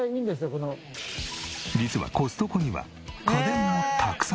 実はコストコには家電もたくさん！